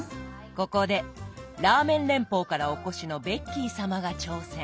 ここでラーメン連邦からお越しのベッキー様が挑戦。